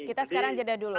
kita sekarang jeda dulu